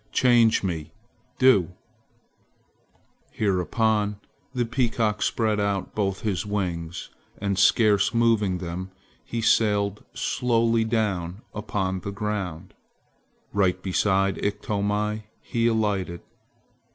Change me! Do!" Hereupon the peacock spread out both his wings, and scarce moving them, he sailed slowly down upon the ground. Right beside Iktomi he alighted.